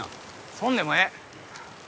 そんでもええ